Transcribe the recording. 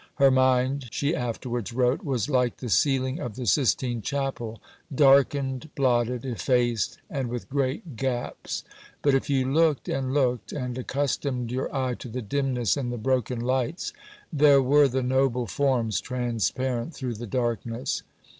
"Her mind," she afterwards wrote, "was like the ceiling of the Sistine Chapel darkened, blotted, effaced, and with great gaps; but if you looked and looked and accustomed your eye to the dimness and the broken lights, there were the noble forms transparent through the darkness."